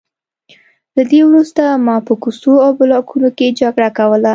له دې وروسته ما په کوڅو او بلاکونو کې جګړه کوله